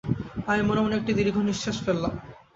আমি মনে-মনে একটা দীর্ঘনিঃশ্বাস ফেললাম।